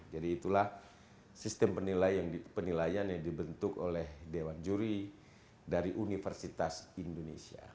jadi itulah sistem penilaian yang dibentuk oleh dewan juri dari universitas indonesia